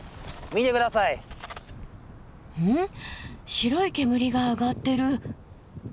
白い煙が上がってる。